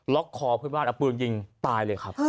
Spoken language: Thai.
ล็อกคอบขึ้นบ้านเอาปืนยิงตายเลยครับ